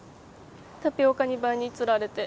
タピオカ２倍に釣られて。